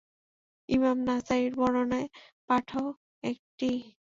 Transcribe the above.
ইমাম নাসাঈর বর্ণনায় পাঠও এটিই।